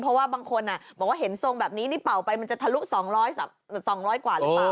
เพราะว่าบางคนฮะเพราะว่าเห็นทรงแบบนี้นี่เป่าไปมันจะทะลุสองร้อยกว่า